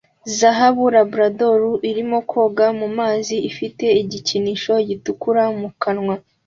Zahabu Labrador irimo koga mu mazi ifite igikinisho gitukura mu kanwa